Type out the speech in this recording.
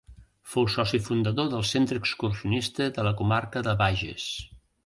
Fou Soci Fundador del Centre Excursionista de la Comarca de Bages.